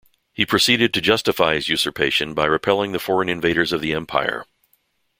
He proceeded to justify his usurpation by repelling the foreign invaders of the Empire.